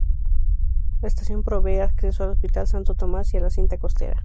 La estación provee acceso al Hospital Santo Tomás y a la Cinta Costera.